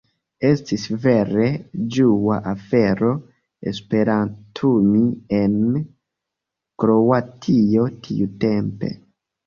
Estis vere ĝua afero esperantumi en Kroatio tiutempe.